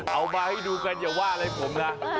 เอามาให้ดูกันอย่าว่าอะไรผมนะ